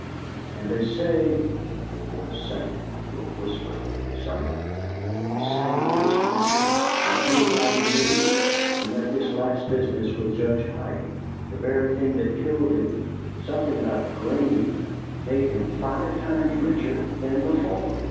And they say" her voice sank to a whisper of excitement "they say he was richer than anybody knew, and that this last business with Judge Pike, the very thing that killed him something about grain made him five times richer than before!"